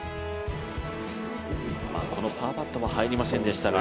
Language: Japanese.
このパーパットも入りませんでしたが。